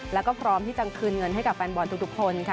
แล้วก็พร้อมที่จะคืนเงินให้กับแฟนบอลทุกคนค่ะ